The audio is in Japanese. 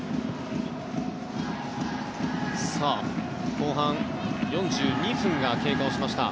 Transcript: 後半、４２分が経過しました。